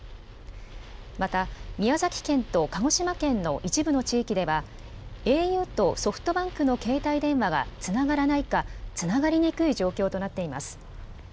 また、宮崎県と鹿児島県の一部の地域では、ａｕとソフトバンクの携帯電話が、つながらないか、つながりにくい状況となっています。